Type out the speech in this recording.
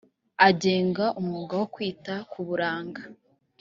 agenga umwuga wo kwita kuburanga